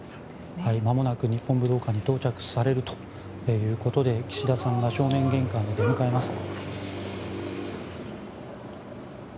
まもなく日本武道館に到着されるということで岸田さんが正面玄関で出迎えます。